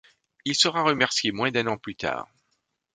Il sera remercié moins d'un an plus tard.